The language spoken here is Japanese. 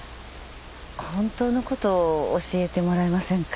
本当のこと教えてもらえませんか？